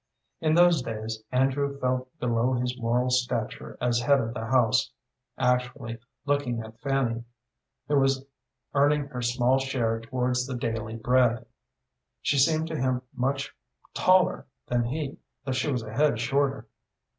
In those days Andrew felt below his moral stature as head of the house. Actually, looking at Fanny, who was earning her small share towards the daily bread, she seemed to him much taller than he, though she was a head shorter.